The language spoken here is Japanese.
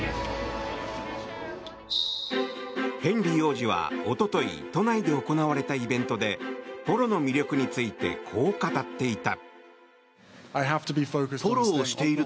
ヘンリー王子は一昨日都内で行われたイベントでポロの魅力についてこのように語っていた。